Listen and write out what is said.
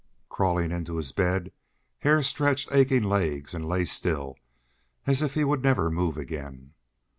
Crawling into his bed, Hare stretched aching legs and lay still, as if he would never move again.